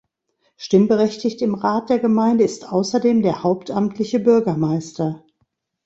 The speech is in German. Stimmberechtigt im Rat der Gemeinde ist außerdem der hauptamtliche Bürgermeister.